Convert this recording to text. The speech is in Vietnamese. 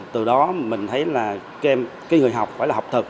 từ đó mình thấy là cái người học phải là học thật